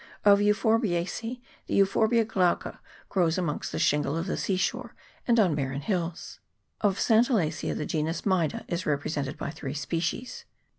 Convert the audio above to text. Of Euphorbiacece, the Euphorbia glauca grows amongst the shingle of the sea shore and on barren hills. Of Santalacea, the genus Myda is represented by three species.